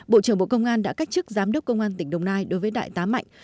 bộ trưởng bộ công an đã cách chức giám đốc công an tỉnh đồng nai đối với đại tá mạnh